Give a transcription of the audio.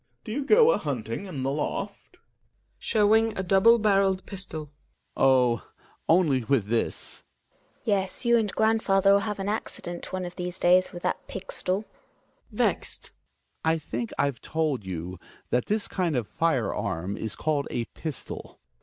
Do you go a hunting in the loft ? Hjalmar {showing a double barreled pistol). Oh ! only with this. GiNA. Yes, you and grandfather'll have an accident one of these days with that pigstol. THE WILD DUCK. 71 Hjalmar {vexed). I think I've told you, that this kind of fire arm is called a pistol.